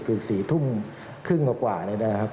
คือ๔ทุ่มครึ่งกว่านี้นะครับ